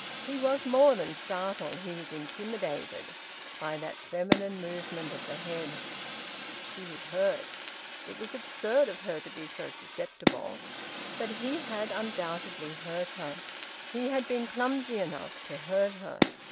He was more than startled, he was intimidated, by that feminine movement of the head. She was hurt. It was absurd of her to be so susceptible, but he had undoubtedly hurt her. He had been clumsy enough to hurt her.